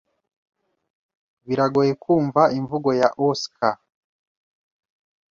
Biragoye kumva imvugo ya Osaka.